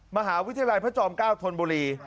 มหาวิทยาลัยพระจอม๙ธนบุรี